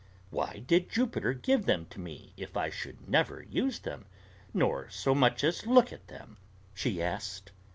"Why did Jupiter give them to me if I should never use them, nor so much as look at them?" she asked.